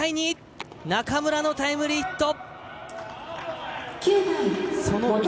中村のタイムリーヒットで２対２。